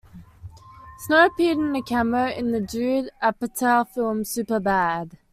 Snow appeared in a cameo in the Judd Apatow film "Superbad".